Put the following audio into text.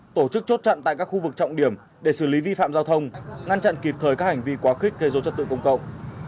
tổ chức chốt chặn tại các khu vực trọng điểm để xử lý vi phạm giao thông ngăn chặn kịp thời các hành vi quá khích gây dối chất tự công cộng